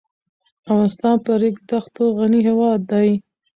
افغانستان په ریګ دښتو غني هېواد دی.